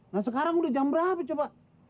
nah sekarang udah jam berapa coba